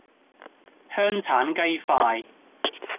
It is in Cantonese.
香橙雞塊